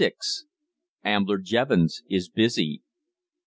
AMBLER JEVONS IS BUSY.